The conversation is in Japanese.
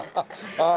ああ！